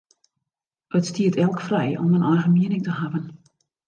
It stiet elk frij om in eigen miening te hawwen.